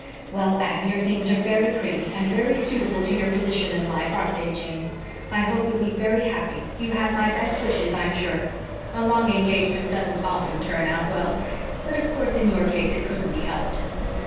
Well, Anne, your things are very pretty, and very suitable to your position in life, aren't they, Jane? I hope you'll be very happy. You have my best wishes, I'm sure. A long engagement doesn't often turn out well. But, of course, in your case it couldn't be helped."